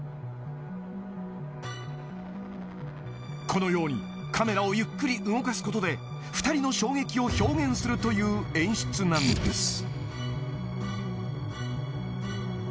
［このようにカメラをゆっくり動かすことで２人の衝撃を表現するという演出なんです］